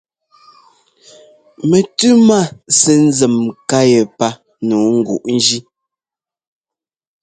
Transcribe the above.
Mɛtʉ́ má sɛ́ nzěm nká yépá nǔu nguʼ njí.